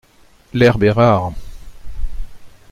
L'herbe est rare.